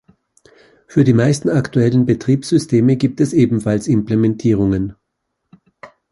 Für die meisten aktuellen Betriebssysteme gibt es ebenfalls Implementierungen.